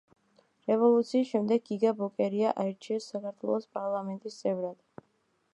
რევოლუციის შემდეგ გიგა ბოკერია აირჩიეს საქართველოს პარლამენტის წევრად.